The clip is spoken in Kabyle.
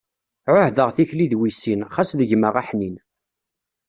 Ɛuhdeɣ tikli d wissin, xas d gma aḥnin.